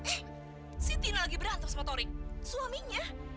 eh si tina lagi berantem sama torik suaminya